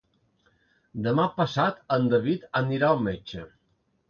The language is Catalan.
Demà passat en David anirà al metge.